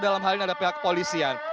dalam hal ini ada pihak kepolisian